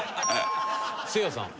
せいやさん。